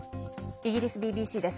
イギリスＢＢＣです。